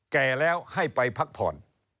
แก่แล้วให้ไปพักผ่อน